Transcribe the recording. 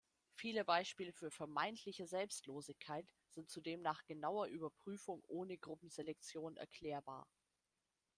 Viele Beispiele für vermeintliche Selbstlosigkeit sind zudem nach genauer Überprüfung ohne Gruppenselektion erklärbar.